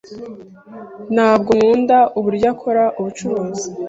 Ntabwo nkunda uburyo akora ubucuruzi